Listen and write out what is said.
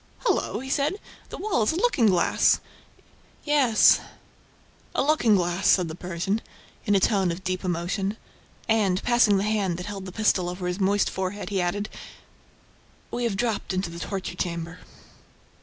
"Hullo!" he said. "The wall is a looking glass!" "Yes, a looking glass!" said the Persian, in a tone of deep emotion. And, passing the hand that held the pistol over his moist forehead, he added, "We have dropped into the torture chamber!"